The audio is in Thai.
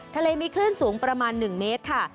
ทะเลมีคลื่นสูงประมาณ๑เมตรค่ะ